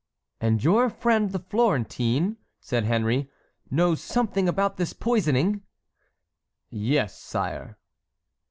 "And your friend the Florentine," said Henry, "knows something about this poisoning?" "Yes, sire."